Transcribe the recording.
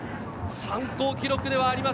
参考記録ではあります。